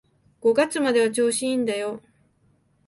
五月までは調子いいんだよ